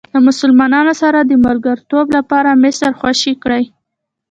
د مسلمانانو سره د ملګرتوب لپاره مصر خوشې کړئ.